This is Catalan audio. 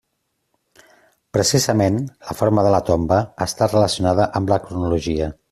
Precisament la forma de la tomba està relacionada amb la cronologia.